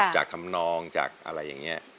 ทำนองจากอะไรอย่างนี้